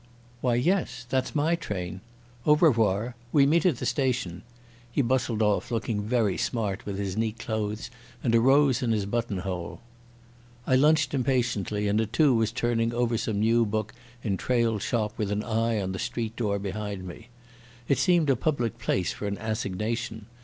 "Why, yes—that's my train. Au revoir. We meet at the station." He bustled off, looking very smart with his neat clothes and a rose in his button hole. I lunched impatiently, and at two was turning over some new books in Traill's shop with an eye on the street door behind me. It seemed a public place for an assignation.